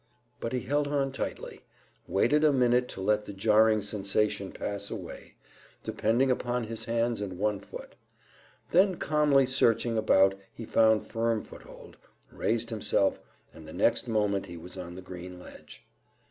But he held on tightly, waited a minute to let the jarring sensation pass away, depending upon his hands and one foot. Then calmly searching about he found firm foothold, raised himself, and the next moment he was on the green ledge.